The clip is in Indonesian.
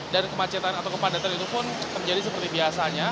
dan kemacetan atau kepadatan itu pun terjadi seperti biasanya